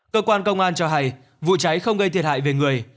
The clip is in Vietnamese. cơ quan công an cho hay vụ cháy không gây thiệt hại về người